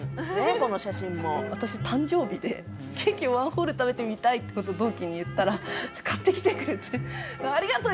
私誕生日でケーキワンホール食べてみたいって事を同期に言ったら買ってきてくれてありがとう！